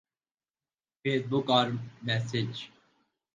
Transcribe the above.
face بک اور messenger